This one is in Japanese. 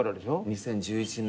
２０１１年。